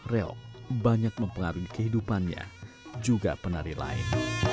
reok banyak mempengaruhi kehidupannya juga penari lain